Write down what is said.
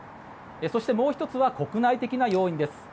そしてもう１つは国内的な要因です。